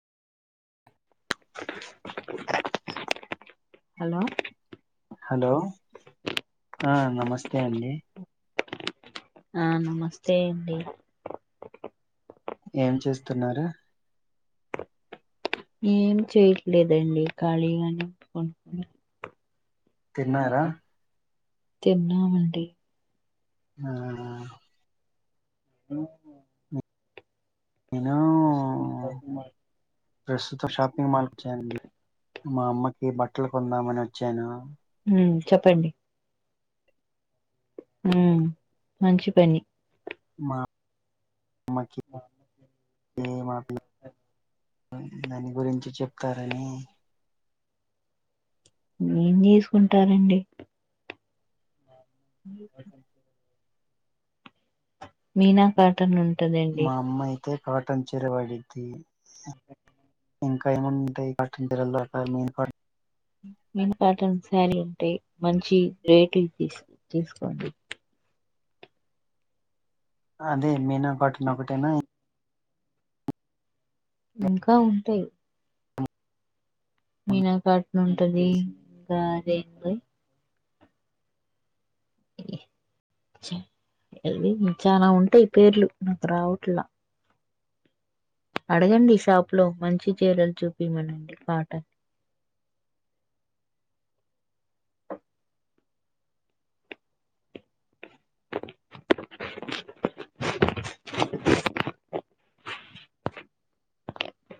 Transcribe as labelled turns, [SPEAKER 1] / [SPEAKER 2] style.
[SPEAKER 1] hello
[SPEAKER 2] hello ఆ నమస్తే అండి
[SPEAKER 1] ఆ నమస్తే అండి
[SPEAKER 2] ఏం చేస్తున్నారు
[SPEAKER 1] ఏం చేయట్లేదండి ఖాళీగానే [inaudible]
[SPEAKER 2] తిన్నారా
[SPEAKER 1] తిన్నామండి
[SPEAKER 2] ఆ
[SPEAKER 1] అ
[SPEAKER 2] నేను
[SPEAKER 1] రెస్ట్ రూమ్ పోతున్నర్
[SPEAKER 2] ప్రస్తుతం షాపింగ్ మాల్కి వచ్చాయండి మా అమ్మ ఈ బట్టలు కొందామని వచ్చాను
[SPEAKER 1] ఉమ్ చెప్పండి మ్మ్ మంచి పని
[SPEAKER 2] మా మాకి ఏ మాపి దాని గురించి చెప్తారని
[SPEAKER 1] ఏం చేసుకుంటారండి
[SPEAKER 2] [unintelligible]
[SPEAKER 1] మీనా కాటన్ నున్
[SPEAKER 2] మా అమ్మయి అయితే కాటన్ చీర వాడిది ఇంకా ఏమంటాయి కట్టు డోరగానే ఫిట్
[SPEAKER 1] సారి ఉంటాయి మంచి రేటింగ్ట్ తీస్తు తీసుకోండి
[SPEAKER 2] అదే మీనా కాటన ఒకటేనా
[SPEAKER 1] ఇంకా ఉంటాయి మీనాకాటను ఉంటది ఇంకా రేం అవి ఇ చాల ఉంటాయి పేర్లు నాకు రావట్లా అడగండి షాప్ లో మంచి చీరలు చూపిమని కాటన్ [inaudible]